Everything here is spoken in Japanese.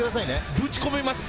ぶち込みます！